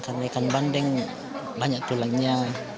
karena ikan bandeng banyak tulangnya